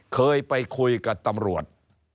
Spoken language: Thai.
เคยไปคุยกับตำรวจ